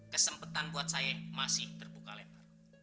kesempatan buat saya masih terbuka lebar